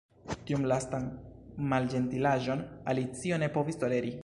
Tiun lastan malĝentilaĵon Alicio ne povis toleri.